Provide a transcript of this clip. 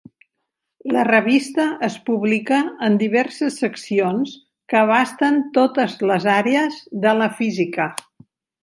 La revista es publica en diverses seccions que abasten totes les àrees de la física.